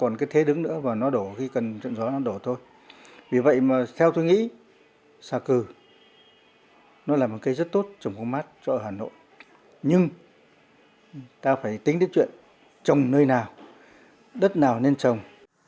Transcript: nhưng ta phải tính đến chuyện trồng nơi nào đất nào nên trồng